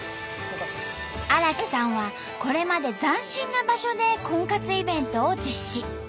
荒木さんはこれまで斬新な場所で婚活イベントを実施。